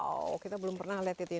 wow kita belum pernah lihat ini